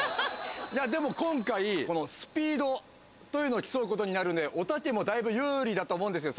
いやでも今回このスピードというのを競うことになるんでおたけも有利だと思うんですよ